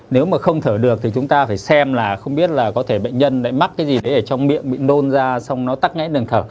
nếu mà không thở được thì chúng ta phải xem là không biết có thể bệnh nhân mắc cái gì đấy ở trong miệng bị nôn ra xong nó tắt ngãi đường thở